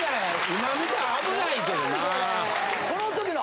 今見たら危ないけどな。